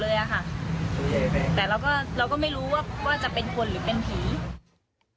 แต่เราก็เราก็ไม่รู้ว่าว่าจะเป็นคนหรือเป็นผี